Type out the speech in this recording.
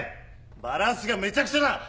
バランスがめちゃくちゃだ！